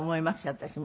私も。